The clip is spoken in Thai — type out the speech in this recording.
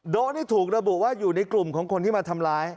ที่ถูกระบุว่าอยู่ในกลุ่มของคนที่มาทำร้าย